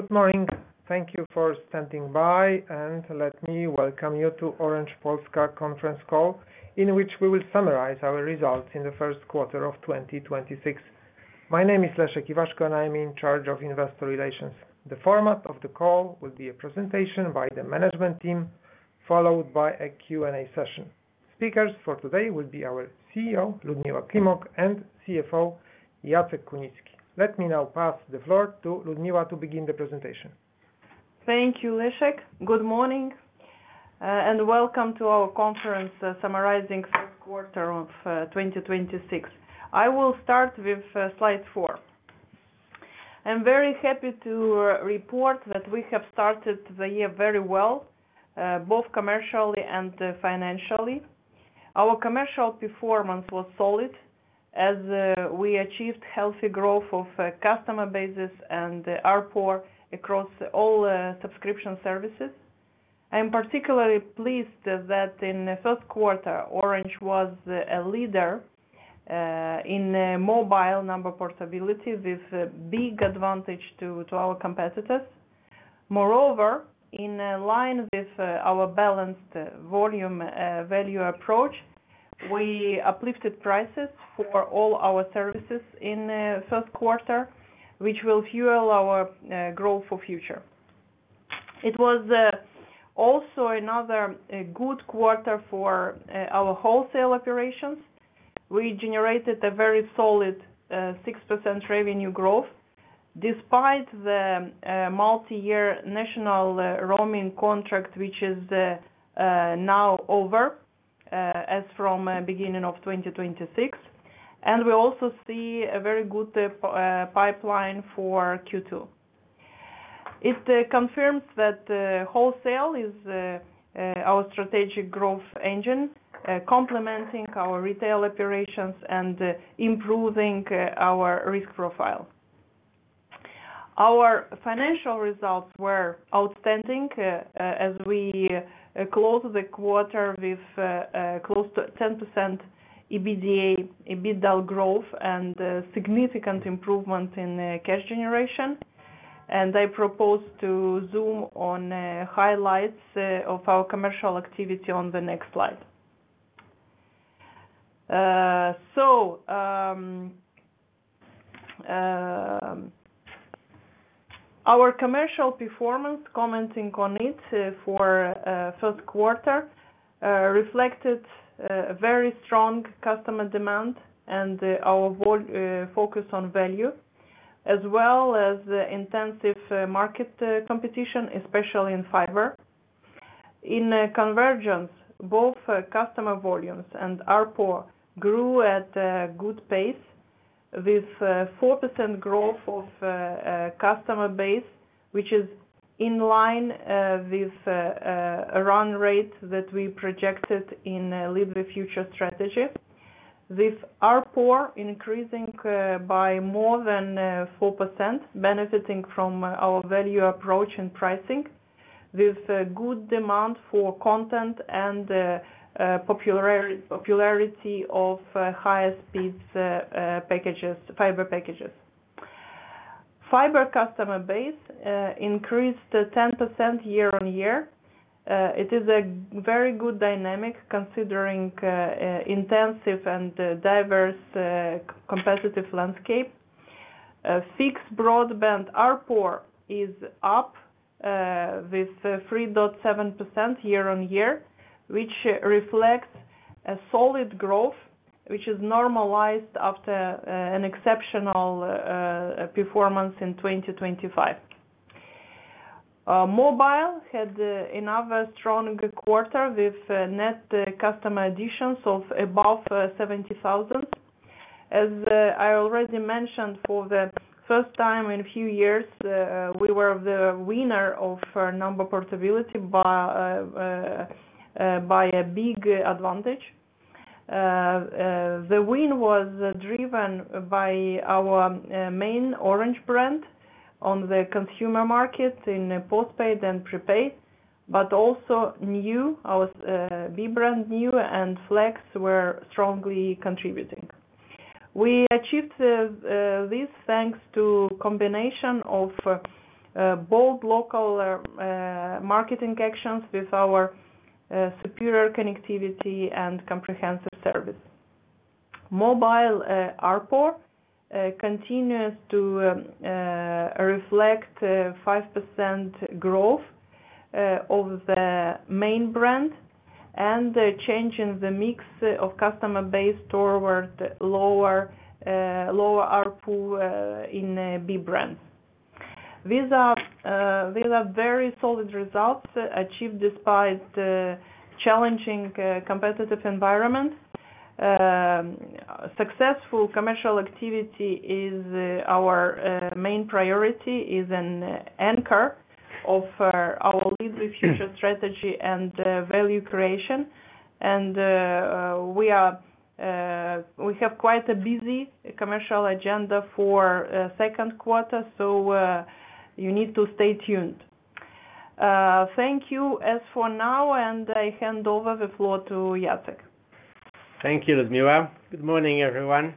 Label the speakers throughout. Speaker 1: Good morning. Thank you for standing by, and let me welcome you to Orange Polska conference call in which we will summarize our results in the first quarter of 2026. My name is Leszek Iwaszko, and I'm in charge of investor relations. The format of the call will be a presentation by the management team, followed by a Q&A session. Speakers for today will be our CEO, Liudmila Climoc, and CFO, Jacek Kunicki. Let me now pass the floor to Liudmila to begin the presentation.
Speaker 2: Thank you, Leszek. Good morning, and welcome to our conference summarizing first quarter of 2026. I will start with slide four. I'm very happy to report that we have started the year very well, both commercially and financially. Our commercial performance was solid as we achieved healthy growth of customer bases and ARPU across all subscription services. I am particularly pleased that in the first quarter, Orange was a leader in mobile number portability with a big advantage to our competitors. Moreover, in line with our balanced volume value approach, we uplifted prices for all our services in the first quarter, which will fuel our growth for future. It was also another good quarter for our wholesale operations. We generated a very solid 6% revenue growth despite the multi-year national roaming contract, which is now over as from beginning of 2026. We also see a very good pipeline for Q2. It confirms that wholesale is our strategic growth engine, complementing our retail operations and improving our risk profile. Our financial results were outstanding as we closed the quarter with close to 10% EBITDA growth and significant improvement in cash generation. I propose to zoom on highlights of our commercial activity on the next slide. Our commercial performance, commenting on it for first quarter, reflected a very strong customer demand and our focus on value, as well as the intensive market competition, especially in fiber. In convergence, both customer volumes and ARPU grew at a good pace with 4% growth of customer base, which is in line with run rate that we projected in Lead the Future strategy. With ARPU increasing by more than 4%, benefiting from our value approach and pricing with good demand for content and popularity of higher speeds fiber packages. Fiber customer base increased 10% year-on-year. It is a very good dynamic considering intensive and diverse competitive landscape. Fixed broadband ARPU is up with 3.7% year-on-year, which reflects a solid growth, which is normalized after an exceptional performance in 2025. Mobile had another strong quarter with net customer additions of above 70,000. As I already mentioned, for the first time in a few years, we were the winner of number portability by a big advantage. The win was driven by our main Orange brand on the consumer market in postpaid and prepaid, but also our B brand- nju and Flex were strongly contributing. We achieved this thanks to combination of both local marketing actions with our superior connectivity and comprehensive service. Mobile ARPU continues to reflect 5% growth of the main brand and change in the mix of customer base toward lower ARPU in B brand. These are very solid results achieved despite challenging competitive environment. Successful commercial activity is our main priority, an anchor of our Lead the Future strategy and value creation. We have quite a busy commercial agenda for second quarter, so you need to stay tuned. Thank you for now, and I hand over the floor to Jacek.
Speaker 3: Thank you, Liudmila. Good morning, everyone.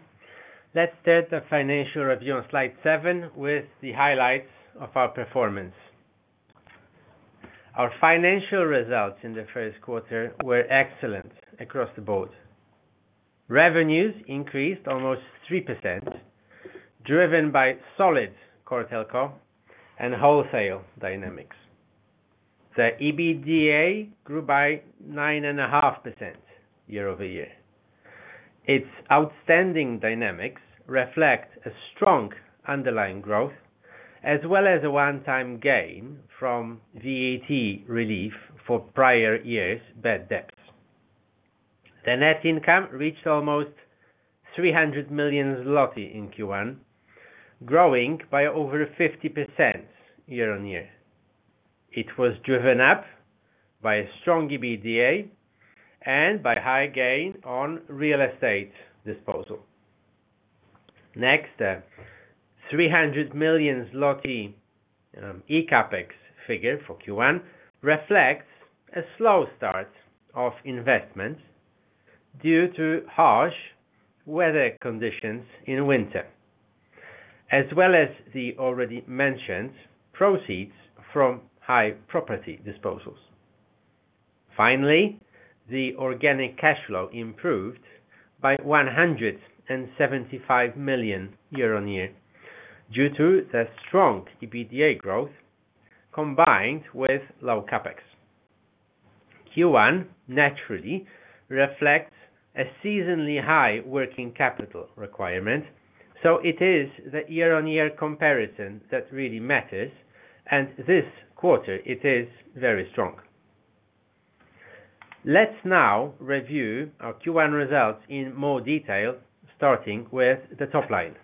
Speaker 3: Let's start the financial review on slide seven with the highlights of our performance. Our financial results in the first quarter were excellent across the board. Revenues increased almost 3%, driven by solid core telco and wholesale dynamics. The EBITDA grew by 9.5% year-over-year. Its outstanding dynamics reflect a strong underlying growth as well as a one-time gain from VAT relief for prior years' bad debts. The net income reached almost 300 million zloty in Q1, growing by over 50% year-on-year. It was driven up by a strong EBITDA and by high gain on real estate disposal. Next, PLN 300 million eCapEx figure for Q1 reflects a slow start of investments due to harsh weather conditions in winter, as well as the already mentioned proceeds from high property disposals. Finally, the organic cash flow improved by 175 million year-over-year due to the strong EBITDA growth combined with low CapEx. Q1 naturally reflects a seasonally high working capital requirement, so it is the year-over-year comparison that really matters, and this quarter it is very strong. Let's now review our Q1 results in more detail, starting with the top line.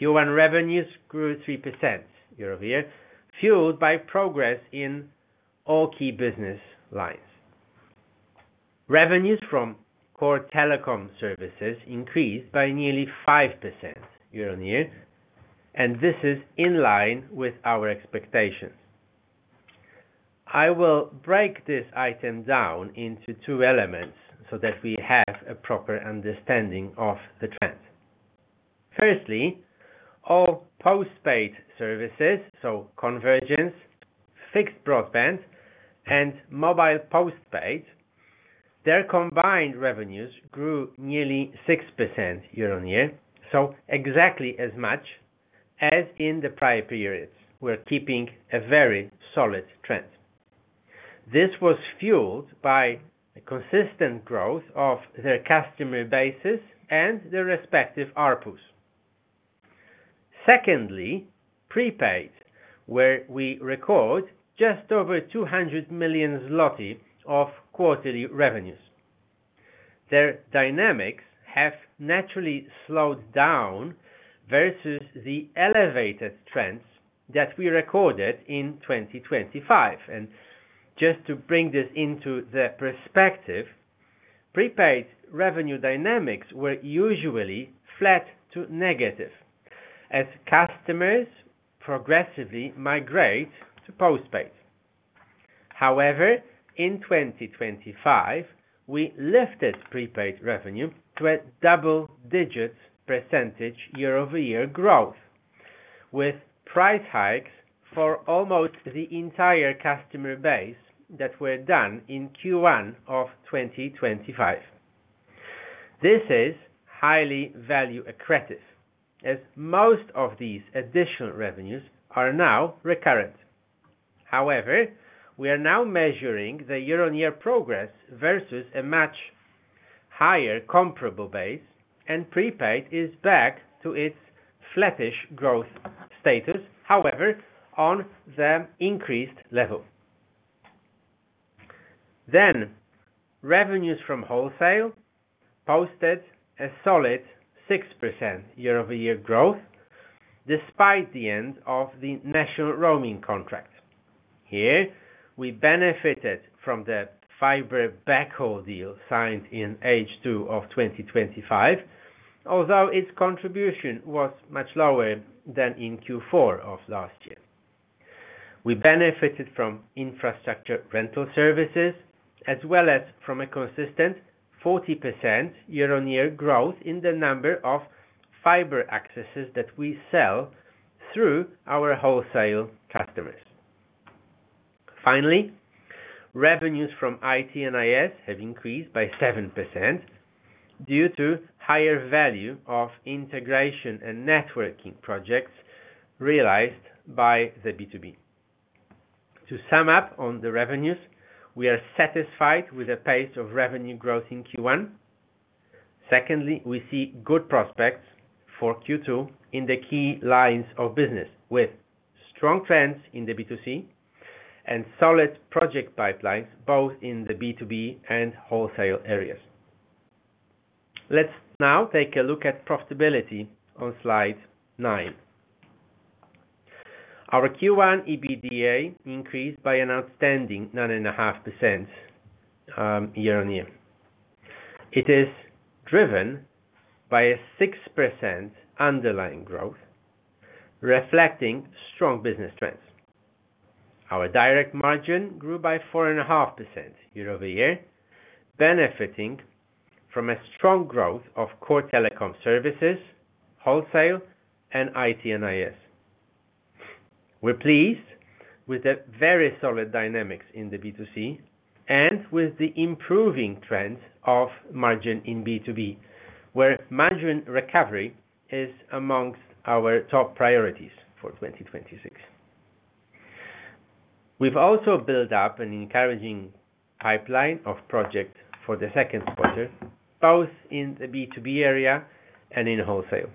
Speaker 3: Q1 revenues grew 3% year-over-year, fueled by progress in all key business lines. Revenues from core telecom services increased by nearly 5% year-over-year, and this is in line with our expectations. I will break this item down into two elements so that we have a proper understanding of the trend. Firstly, all postpaid services, so convergence, fixed broadband, and mobile postpaid, their combined revenues grew nearly 6% year-over-year, so exactly as much as in the prior periods. We're keeping a very solid trend. This was fueled by a consistent growth of the customer bases and the respective ARPUs. Secondly, prepaid, where we record just over 200 million zloty of quarterly revenues. Their dynamics have naturally slowed down versus the elevated trends that we recorded in 2025. Just to bring this into the perspective, prepaid revenue dynamics were usually flat to negative as customers progressively migrate to postpaid. However, in 2025, we lifted prepaid revenue to a double-digit percentage year-over-year growth, with price hikes for almost the entire customer base that were done in Q1 of 2025. This is highly value accretive as most of these additional revenues are now recurrent. However, we are now measuring the year-on-year progress versus a much higher comparable base, and prepaid is back to its flattish growth status, however, on the increased level. Revenues from wholesale posted a solid 6% year-over-year growth despite the end of the national roaming contract. Here, we benefited from the fiber backhaul deal signed in H2 of 2025, although its contribution was much lower than in Q4 of last year. We benefited from infrastructure rental services as well as from a consistent 40% year-on-year growth in the number of fiber accesses that we sell through our wholesale customers. Finally, revenues from IT&IS have increased by 7% due to higher value of integration and networking projects realized by the B2B. To sum up on the revenues, we are satisfied with the pace of revenue growth in Q1. Secondly, we see good prospects for Q2 in the key lines of business with strong trends in the B2C and solid project pipelines both in the B2B and wholesale areas. Let's now take a look at profitability on slide nine. Our Q1 EBITDA increased by an outstanding 9.5% year-over-year. It is driven by a 6% underlying growth, reflecting strong business trends. Our direct margin grew by 4.5% year-over-year, benefiting from a strong growth of core telecom services, wholesale, and IT&IS. We're pleased with the very solid dynamics in the B2C and with the improving trend of margin in B2B, where margin recovery is among our top priorities for 2026. We've also built up an encouraging pipeline of projects for the second quarter, both in the B2B area and in wholesale.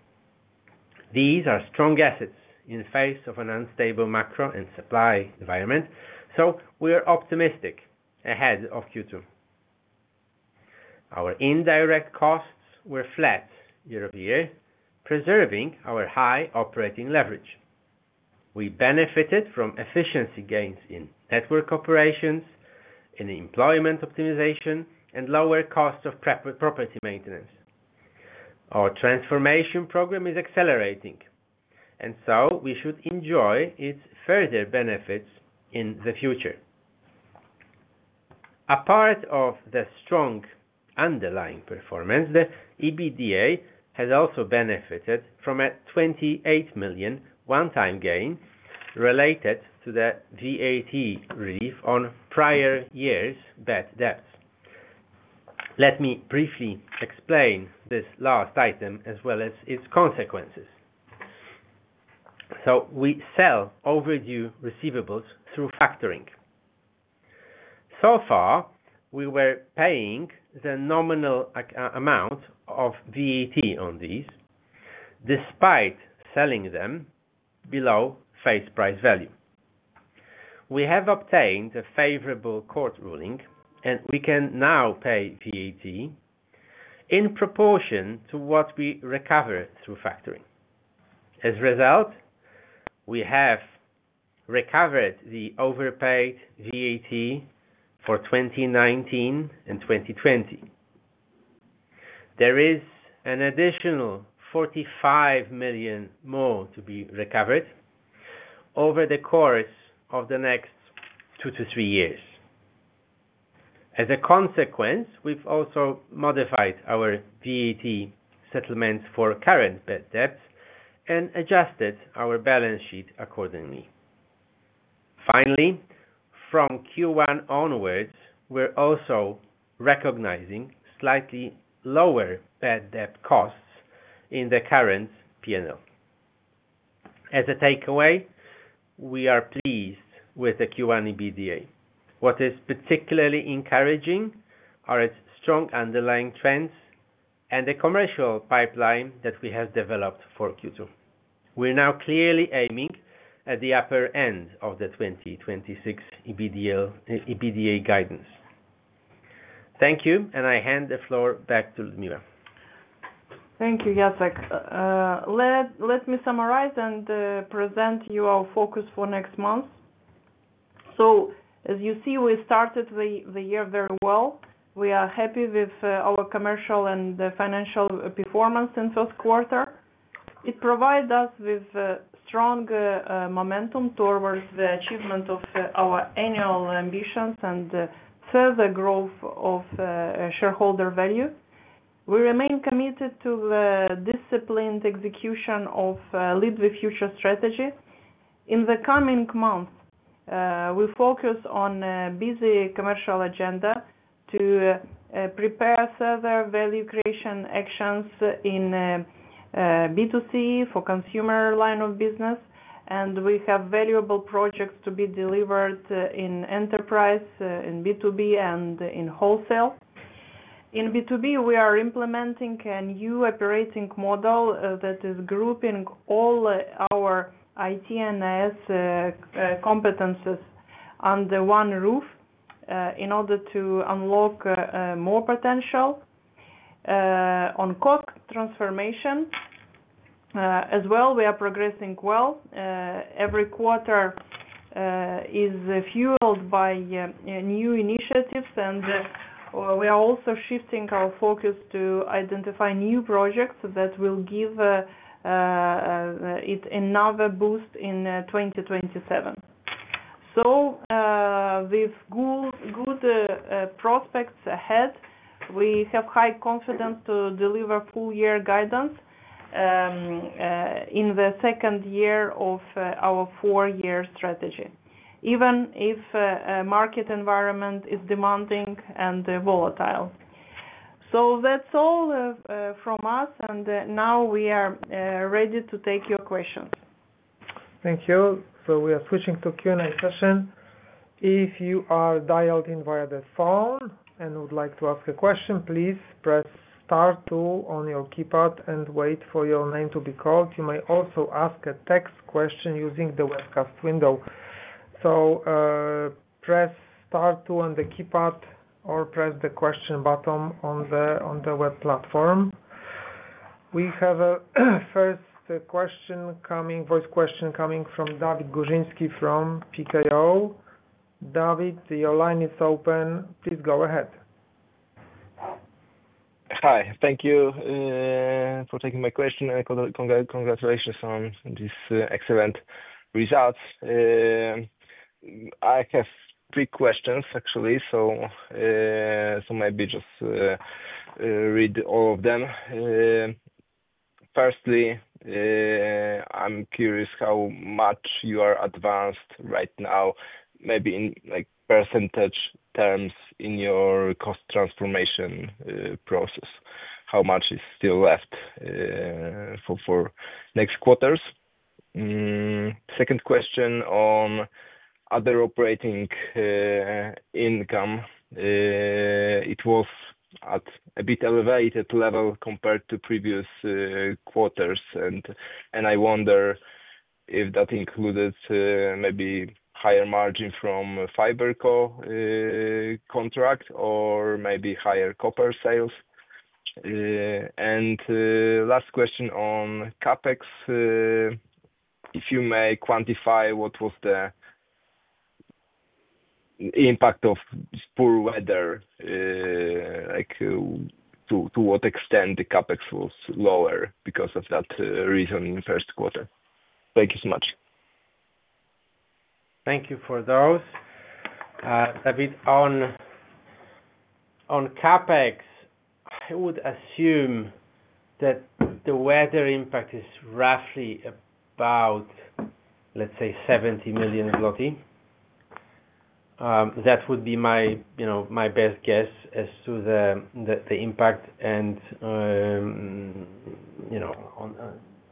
Speaker 3: These are strong assets in the face of an unstable macro and supply environment, so we are optimistic ahead of Q2. Our indirect costs were flat year-over-year, preserving our high operating leverage. We benefited from efficiency gains in network operations, in employment optimization, and lower costs of property maintenance. Our transformation program is accelerating, and so we should enjoy its further benefits in the future. Apart from the strong underlying performance, the EBITDA has also benefited from a 28 million one-time gain related to the VAT relief on prior years' bad debts. Let me briefly explain this last item, as well as its consequences. We sell overdue receivables through factoring. So far, we were paying the nominal amount of VAT on these, despite selling them below face value. We have obtained a favorable court ruling, and we can now pay VAT in proportion to what we recovered through factoring. As a result, we have recovered the overpaid VAT for 2019 and 2020. There is an additional 45 million more to be recovered over the course of the next two to three years. As a consequence, we've also modified our VAT settlements for current bad debts and adjusted our balance sheet accordingly. Finally, from Q1 onwards, we're also recognizing slightly lower bad debt costs in the current P&L. As a takeaway, we are pleased with the Q1 EBITDA. What is particularly encouraging are its strong underlying trends and the commercial pipeline that we have developed for Q2. We're now clearly aiming at the upper end of the 2026 EBITDA guidance. Thank you, and I hand the floor back to Liudmila.
Speaker 2: Thank you, Jacek. Let me summarize and present you our focus for next month. As you see, we started the year very well. We are happy with our commercial and financial performance in first quarter. It provide us with strong momentum towards the achievement of our annual ambitions and further growth of shareholder value. We remain committed to the disciplined execution of Lead the Future strategy. In the coming months, we'll focus on a busy commercial agenda to prepare further value creation actions in B2C for consumer line of business, and we have valuable projects to be delivered in enterprise, in B2B, and in wholesale. In B2B, we are implementing a new operating model that is grouping all our IT&IS competencies under one roof in order to unlock more potential. On cost transformation as well, we are progressing well. Every quarter is fueled by new initiatives, and we are also shifting our focus to identify new projects that will give it another boost in 2027. With good prospects ahead, we have high confidence to deliver full-year guidance in the second year of our four-year strategy, even if market environment is demanding and volatile. That's all from us, and now we are ready to take your questions.
Speaker 1: Thank you. We are switching to Q&A session. If you are dialed in via the phone and would like to ask a question, please press star two on your keypad and wait for your name to be called. You may also ask a text question using the webcast window. Press star two on the keypad or press the question button on the web platform. We have our first voice question coming from Dawid Górzyński from PKO. Dawid, your line is open. Please go ahead.
Speaker 4: Hi. Thank you for taking my question, and congratulations on these excellent results. I have three questions, actually. Maybe just read all of them. Firstly, I'm curious how much you are advanced right now, maybe in percentage terms, in your cost transformation process. How much is still left for next quarters? Second question on other operating income. It was at a bit elevated level compared to previous quarters, and I wonder if that included maybe higher margin from FiberCo contract or maybe higher copper sales. Last question on CapEx, if you may quantify what was the impact of poor weather, to what extent the CapEx was lower because of that reason in the first quarter. Thank you so much.
Speaker 3: Thank you for those. Dawid, on CapEx, I would assume that the weather impact is roughly about, let's say, 70 million zloty. That would be my best guess as to the impact and on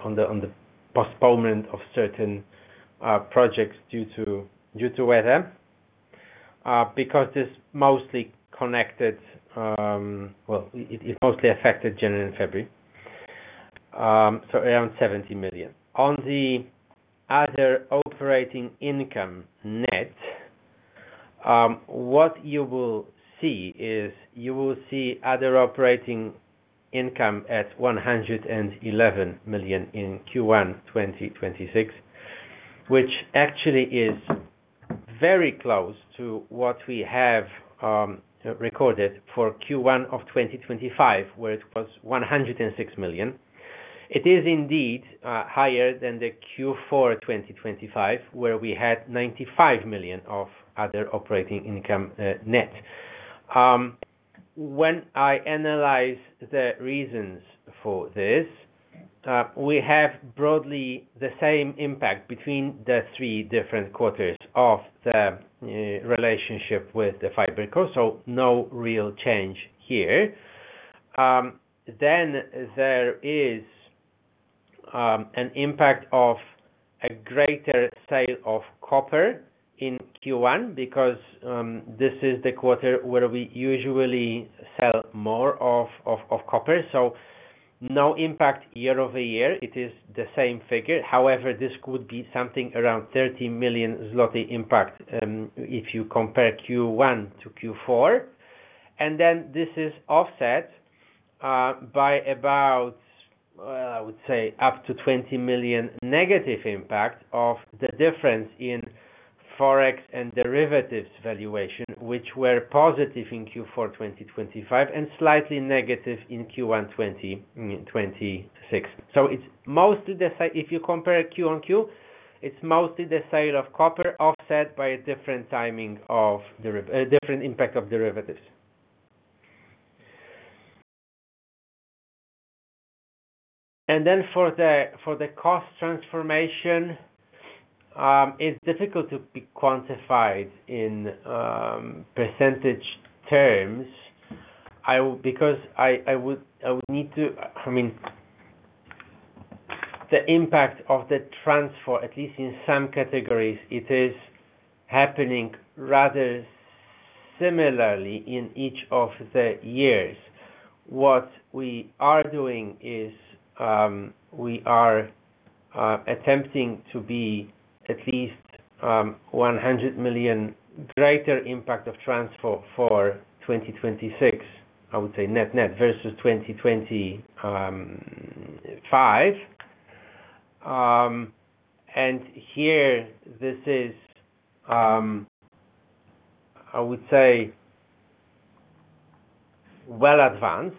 Speaker 3: the postponement of certain projects due to weather, because it's mostly connected. Well, it mostly affected January and February. Around 70 million. On the other operating income net, what you will see is you will see other operating income at 111 million in Q1 2026, which actually is very close to what we have recorded for Q1 of 2025, where it was 106 million. It is indeed higher than the Q4 2025, where we had 95 million of other operating income net. When I analyze the reasons for this, we have broadly the same impact between the three different quarters of the relationship with the FiberCo, so no real change here. There is an impact of a greater sale of copper in Q1 because this is the quarter where we usually sell more of copper. No impact year over year. It is the same figure. However, this could be something around 30 million zloty impact, if you compare Q1 to Q4. This is offset by about, I would say, up to 20 million negative impact of the difference in forex and derivatives valuation, which were positive in Q4 2025 and slightly negative in Q1 2026. If you compare Q-on-Q, it's mostly the sale of copper offset by a different impact of derivatives. For the cost transformation, it's difficult to be quantified in percentage terms. I mean, the impact of the transfer, at least in some categories, it is happening rather similarly in each of the years. What we are doing is, we are attempting to be at least 100 million greater impact of transfer for 2026, I would say net, versus 2025. Here, this is, I would say, well advanced.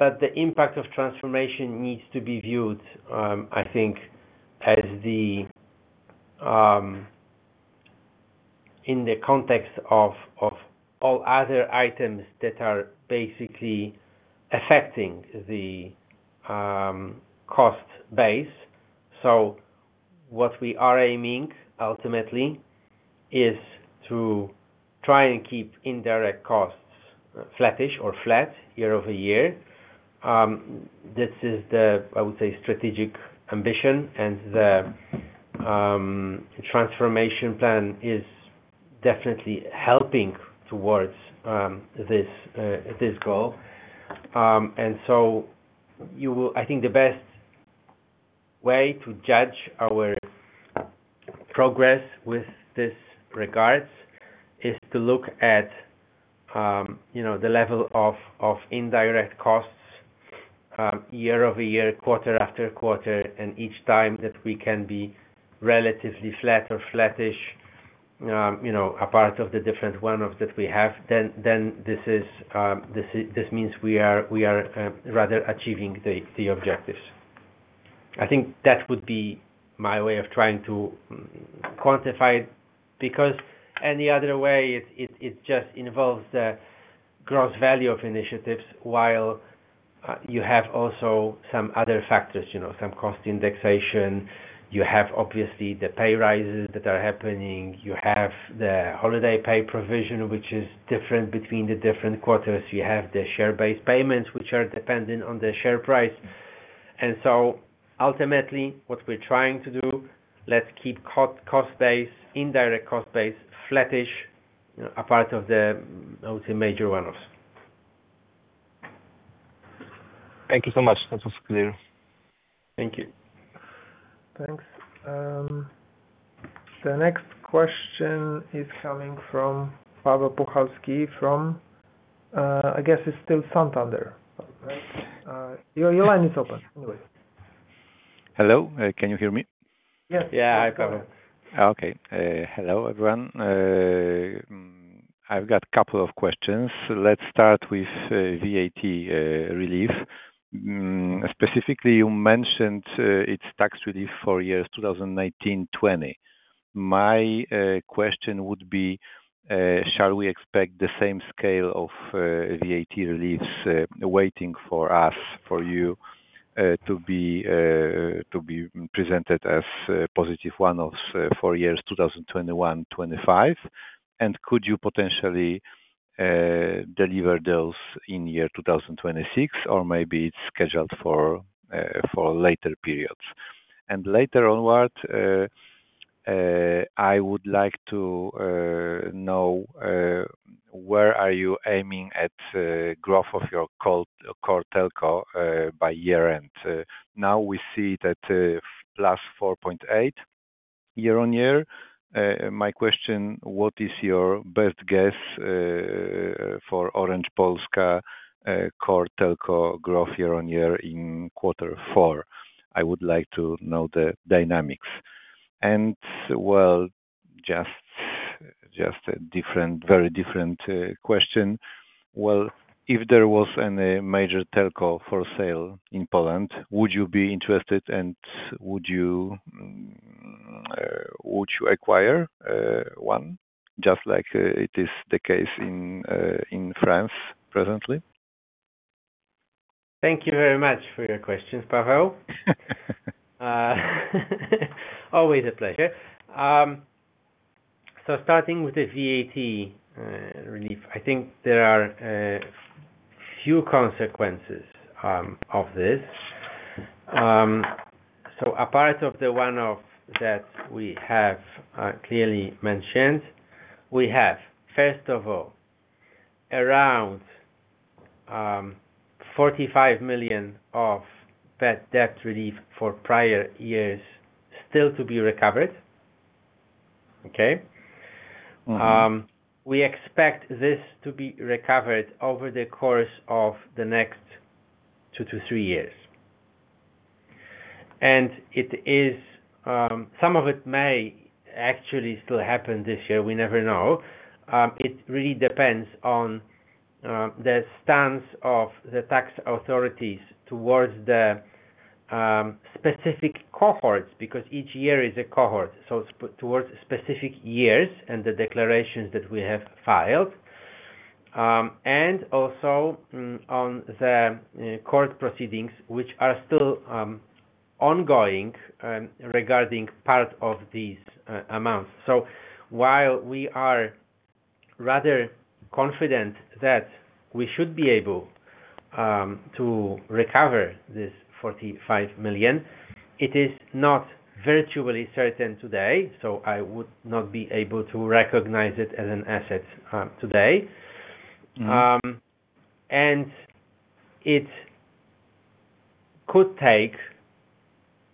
Speaker 3: The impact of transformation needs to be viewed, I think, in the context of all other items that are basically affecting the cost base. What we are aiming ultimately is to try and keep indirect costs flattish or flat year-over-year. This is the, I would say, strategic ambition, and the transformation plan is definitely helping towards this goal. I think the best way to judge our progress with regard to this is to look at the level of indirect costs year-over-year, quarter after quarter, and each time that we can be relatively flat or flattish, apart from the different one-offs that we have, then this means we are rather achieving the objectives. I think that would be my way of trying to quantify it, because any other way, it just involves the gross value of initiatives, while you have also some other factors, some cost indexation. You have, obviously, the pay rises that are happening. You have the holiday pay provision, which is different between the different quarters. You have the share-based payments, which are dependent on the share price. Ultimately, what we're trying to do, let's keep cost base, indirect cost base flattish, apart from the, I would say, major one-offs.
Speaker 4: Thank you so much. That was clear. Thank you.
Speaker 1: Thanks. The next question is coming from Paweł Puchalski from, I guess it's still Santander, right? Your line is open.
Speaker 5: Hello, can you hear me?
Speaker 1: Yes.
Speaker 3: Yeah, I can.
Speaker 5: Okay. Hello, everyone. I've got couple of questions. Let's start with VAT relief. Specifically, you mentioned it's tax relief for years 2019-2020. My question would be, shall we expect the same scale of VAT reliefs waiting for us, for you, to be presented as a positive one-off for years 2021-2025? Could you potentially deliver those in year 2026, or maybe it's scheduled for later periods? Later onward, I would like to know where are you aiming at growth of your core telco by year-end. Now we see that +4.8% year-over-year. My question, what is your best guess for Orange Polska core telco growth year-over-year in quarter four? I would like to know the dynamics. Well, just a very different question. Well, if there was any major telco for sale in Poland, would you be interested, and would you acquire one, just like it is the case in France presently?
Speaker 3: Thank you very much for your questions, Paweł. Always a pleasure. Starting with the VAT relief, I think there are few consequences of this. Apart from the one-off that we have clearly mentioned, we have, first of all, around 45 million of bad debt relief for prior years still to be recovered. Okay? We expect this to be recovered over the course of the next 2-3 years. Some of it may actually still happen this year, we never know. It really depends on the stance of the tax authorities towards the specific cohorts, because each year is a cohort, so towards specific years and the declarations that we have filed. Also, on the court proceedings, which are still ongoing, regarding part of these amounts. While we are rather confident that we should be able to recover this 45 million, it is not virtually certain today. I would not be able to recognize it as an asset today. It could take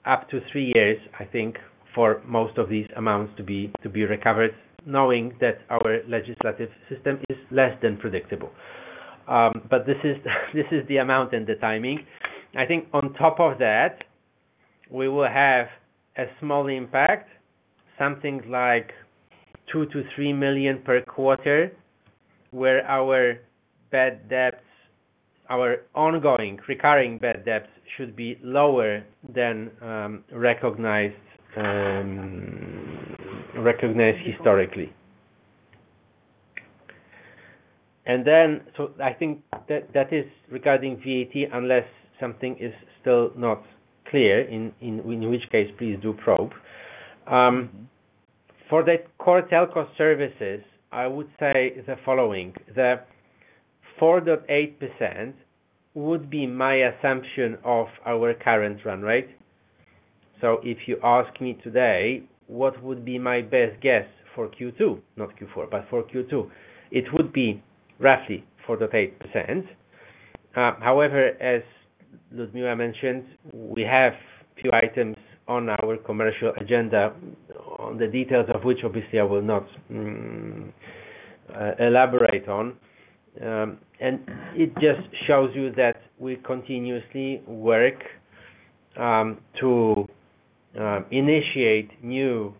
Speaker 3: up to three years, I think, for most of these amounts to be recovered, knowing that our legislative system is less than predictable. This is the amount and the timing. I think on top of that, we will have a small impact, something like 2 million-3 million per quarter, where our bad debts, our ongoing recurring bad debts, should be lower than recognized historically. I think that is regarding VAT, unless something is still not clear, in which case, please do probe. For the core telco services, I would say the following. The 4.8% would be my assumption of our current run rate. If you ask me today what would be my best guess for Q2, not Q4, but for Q2, it would be roughly 4.8%. However, as Liudmila mentioned, we have few items on our commercial agenda, the details of which obviously I will not disclose or elaborate on. It just shows you that we continuously work to initiate new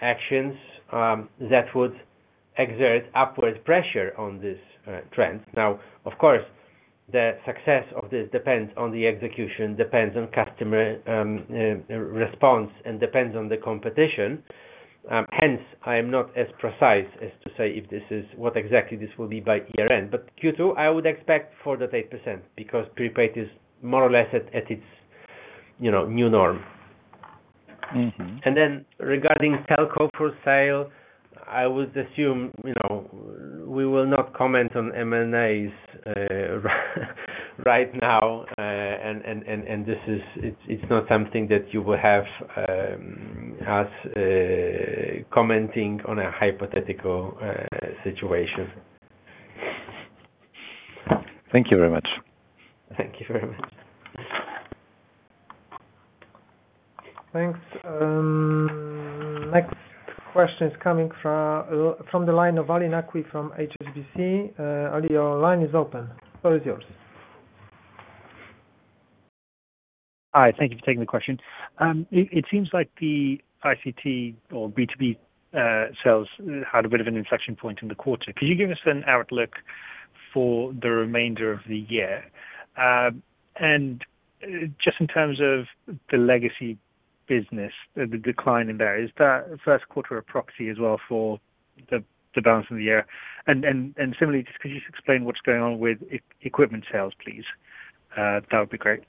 Speaker 3: actions that would exert upward pressure on this trend. Now, of course, the success of this depends on the execution, depends on customer response, and depends on the competition. Hence, I am not as precise as to say what exactly this will be by year-end. Q2, I would expect 4.8%, because prepaid is more or less at its new norm. Regarding telco for sale, I would assume we will not comment on M&As right now, and it's not something that you will have us commenting on a hypothetical situation.
Speaker 5: Thank you very much.
Speaker 3: Thank you very much.
Speaker 1: Thanks. Next question is coming from the line of Ali Naqvi from HSBC. Ali, your line is open. The floor is yours.
Speaker 6: Hi. Thank you for taking the question. It seems like the ICT or B2B sales had a bit of an inflection point in the quarter. Could you give us an outlook for the remainder of the year? Just in terms of the legacy business, the decline in there is that first quarter a proxy as well for the balance of the year? Similarly, could you just explain what's going on with equipment sales, please? That would be great.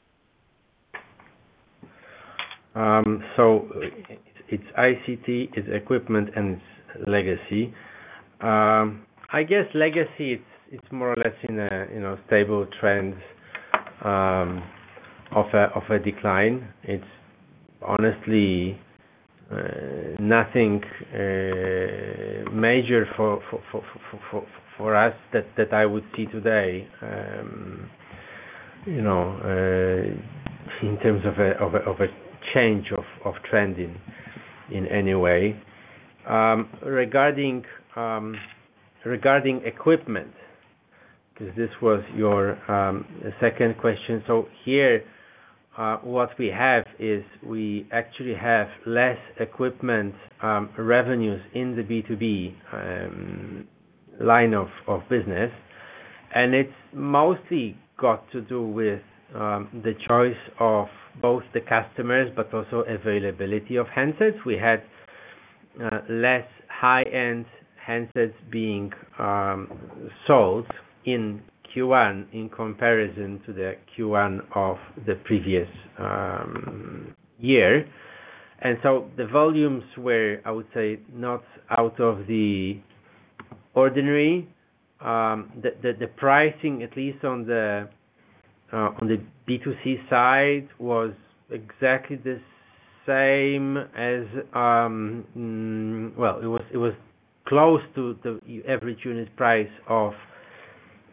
Speaker 3: It's ICT, it's equipment, and it's legacy. I guess legacy, it's more or less in a stable trend of a decline. It's honestly nothing major for us that I would see today in terms of a change of trend in any way. Regarding equipment, because this was your second question. Here, what we have is we actually have less equipment revenues in the B2B line of business. It's mostly got to do with the choice of both the customers, but also availability of handsets. We had less high-end handsets being sold in Q1 in comparison to the Q1 of the previous year. The volumes were, I would say, not out of the ordinary. The pricing, at least on the B2C side, was exactly the same as well. It was close to the average unit price of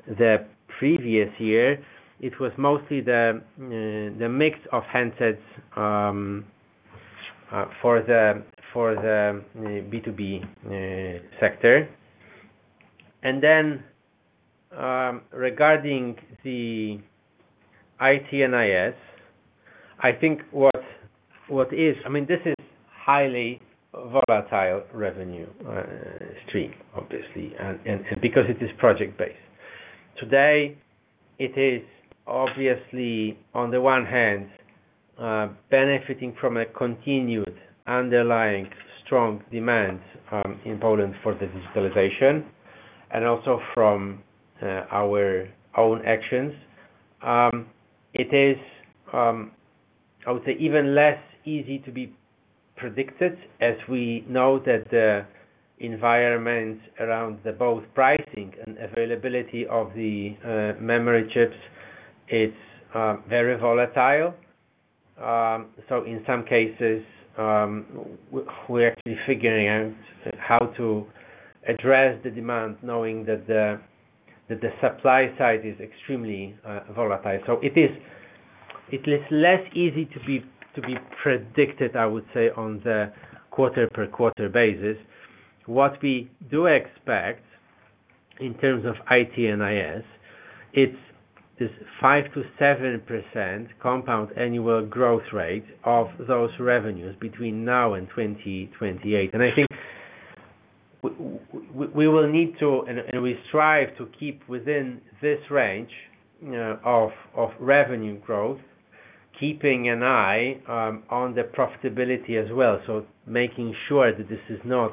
Speaker 3: the previous year. It was mostly the mix of handsets for the B2B sector. Then, regarding the IT&IS, this is highly volatile revenue stream, obviously. Because it is project-based. Today, it is obviously, on the one hand, benefiting from a continued underlying strong demand in Poland for the digitalization and also from our own actions. It is, I would say, even less easy to be predicted as we know that the environment around both pricing and availability of the memory chips is very volatile. In some cases, we're actually figuring out how to address the demand, knowing that the supply side is extremely volatile. It is less easy to be predicted, I would say, on the quarter per quarter basis. What we do expect in terms of IT&IS, it's this 5%-7% compound annual growth rate of those revenues between now and 2028. I think we will need to, and we strive to keep within this range of revenue growth, keeping an eye on the profitability as well. Making sure that this is not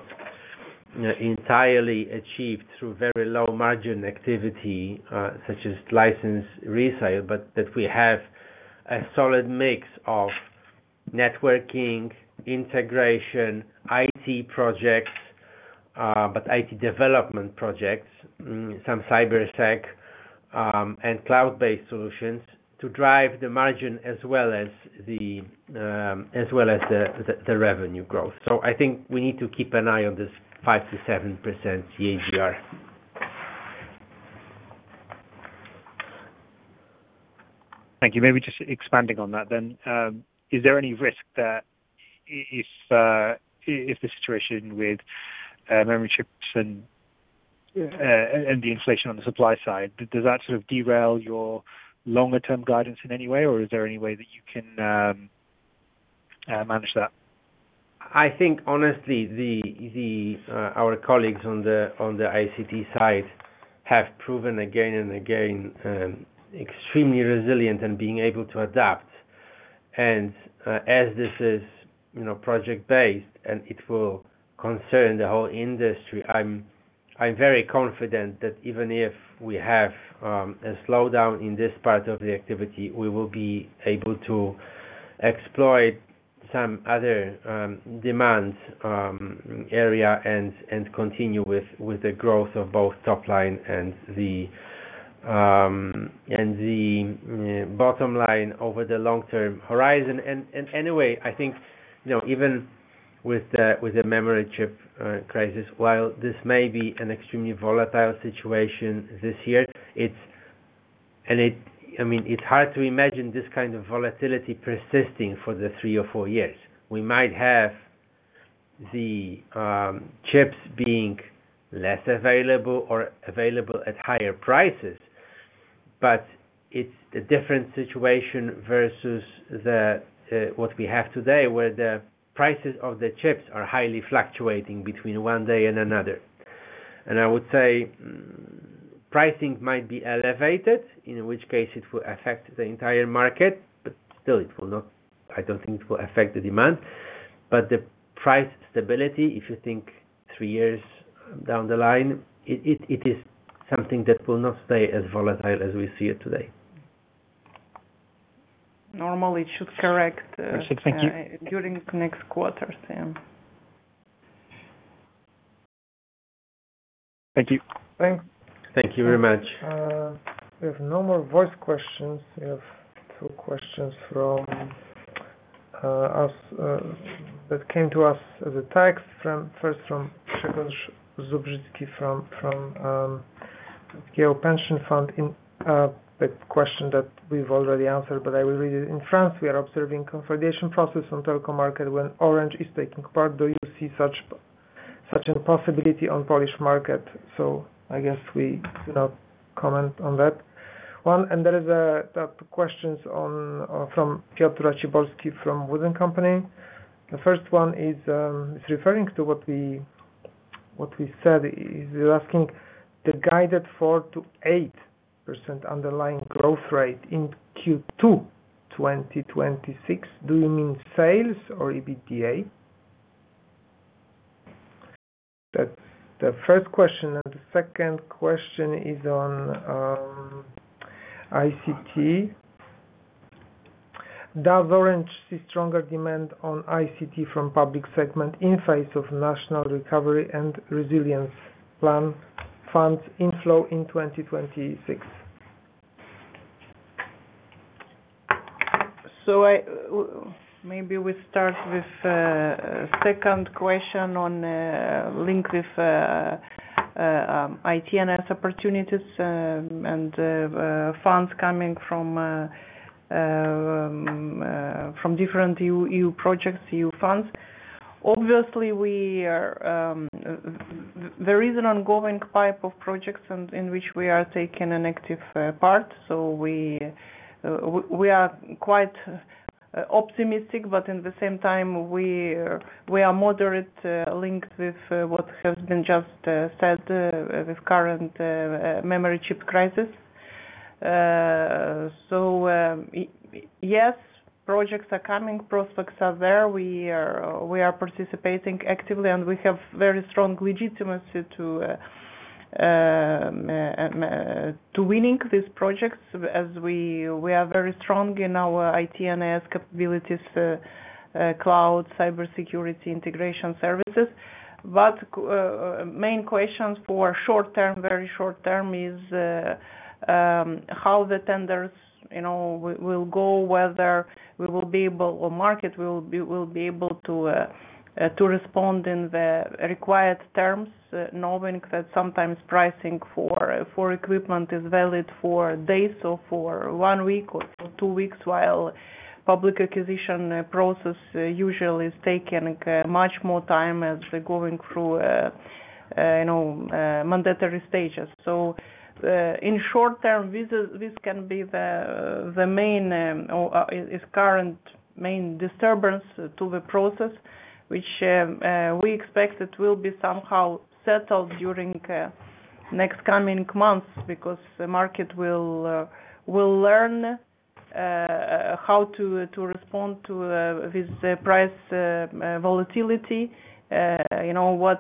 Speaker 3: entirely achieved through very low margin activity, such as license resale, but that we have a solid mix of networking, integration, IT projects, but IT development projects, some cybersec, and cloud-based solutions to drive the margin as well as the revenue growth. I think we need to keep an eye on this 5%-7% CAGR.
Speaker 6: Thank you. Maybe just expanding on that then. Is there any risk that if the situation with memory chips and the inflation on the supply side does that sort of derail your longer-term guidance in any way, or is there any way that you can manage that?
Speaker 3: I think, honestly, our colleagues on the ICT side have proven again and again, extremely resilient in being able to adapt. As this is project-based and it will concern the whole industry, I'm very confident that even if we have a slowdown in this part of the activity, we will be able to exploit some other demand areas and continue with the growth of both top line and the bottom line over the long-term horizon. Anyway, I think, even with the memory chip crisis, while this may be an extremely volatile situation this year, it's hard to imagine this kind of volatility persisting for the three or four years. We might have the chips being less available or available at higher prices, but it's a different situation versus what we have today, where the prices of the chips are highly fluctuating between one day and another. I would say pricing might be elevated, in which case it will affect the entire market, but still, I don't think it will affect the demand. The price stability, if you think three years down the line, it is something that will not stay as volatile as we see it today.
Speaker 2: Normally, it should correct.
Speaker 6: Actually, thank you.
Speaker 2: During next quarter, then.
Speaker 6: Thank you.
Speaker 3: Thank you very much.
Speaker 1: We have no more voice questions. We have two questions that came to us as a text. First from from Pension Fund, the question that we've already answered, but I will read it. "In France, we are observing consolidation process on telco market when Orange is taking part. Do you see such a possibility on Polish market?" I guess we do not comment on that one. There is two questions from Piotr Raciborski from WOOD & Company. The first one is referring to what we said, he's asking, "The guided 4%-8% underlying growth rate in Q2 2026, do you mean sales or EBITDA?" That's the first question, and the second question is on ICT. "Does Orange see stronger demand on ICT from public segment in face of National Recovery and Resilience Plan funds inflow in 2026?
Speaker 2: Maybe we start with second question linked with IT&IS opportunities, and funds coming from different EU projects, EU funds. Obviously, there is an ongoing pipeline of projects in which we are taking an active part. We are quite optimistic, but at the same time, we are moderately linked with what has been just said with current memory chip crisis. Yes, projects are coming, prospects are there. We are participating actively, and we have very strong legitimacy to winning these projects as we are very strong in our IT&IS capabilities, cloud, cybersecurity, integration services. Main questions for short-term, very short-term, is how the tenders will go, whether we will be able, or market will be able to respond in the required terms, knowing that sometimes pricing for equipment is valid for days or for one week or for two weeks, while public acquisition process usually is taking much more time as going through mandatory stages. In short term, this can be the current main disturbance to the process, which we expect it will be somehow settled during next coming months because the market will learn how to respond with the price volatility. What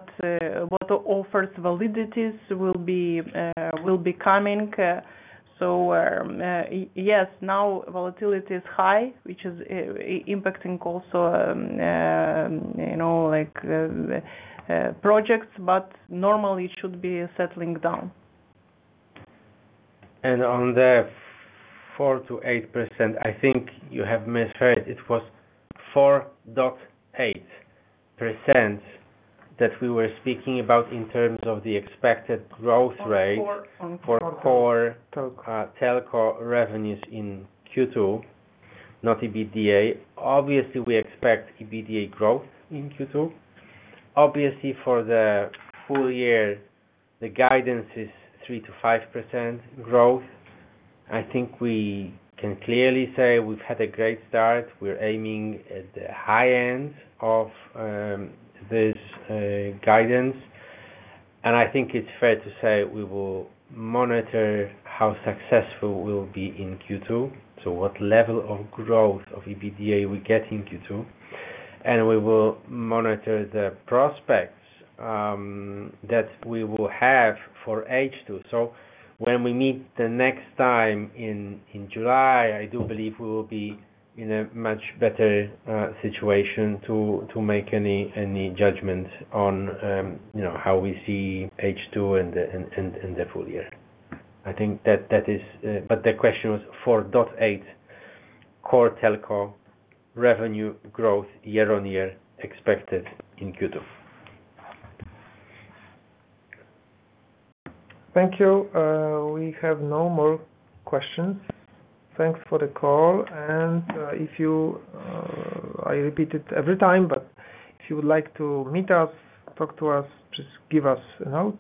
Speaker 2: offers validities will be coming? Yes, now volatility is high, which is impacting also projects, but normally it should be settling down.
Speaker 3: On the 4%-8%, I think you have misheard. It was 4.8% that we were speaking about in terms of the expected growth rate for core telco revenues in Q2, not EBITDA. Obviously, we expect EBITDA growth in Q2. Obviously, for the full year, the guidance is 3%-5% growth. I think we can clearly say we've had a great start. We're aiming at the high end of this guidance. I think it's fair to say we will monitor how successful we'll be in Q2. What level of growth of EBITDA we get in Q2, and we will monitor the prospects that we will have for H2. When we meet the next time in July, I do believe we will be in a much better situation to make any judgments on how we see H2 and the full year. The question was 4.8% core telco revenue growth year-on-year expected in Q2.
Speaker 1: Thank you. We have no more questions. Thanks for the call. I repeat it every time, but if you would like to meet us, talk to us, just give us a note.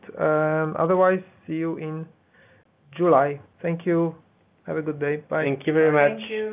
Speaker 1: Otherwise, see you in July. Thank you. Have a good day. Bye.
Speaker 3: Thank you very much.